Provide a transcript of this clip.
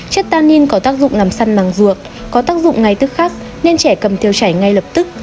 chất tanin có tác dụng làm săn màng ruột có tác dụng ngay tức khắc nên trẻ cầm tiêu chảy ngay lập tức